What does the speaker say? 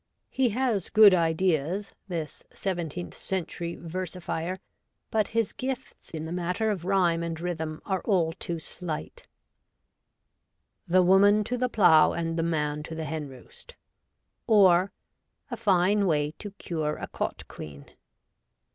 He has good ideas, this seventeenth century versi fier, but his gifts in the matter of rhyme and rhythm are all too slight :— DOMESTIC STRIFE. 127 THE WOMAN TO THE PLOW AND THE MAN TO THE HEN ROOST; OR, A FINE WAY TO CURE A COT QUEAN.